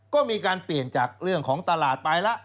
ก็มีการเปลี่ยนจากเรื่องของตลาดไปแล้ว